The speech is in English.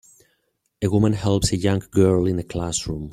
A woman helps a young girl in a classroom.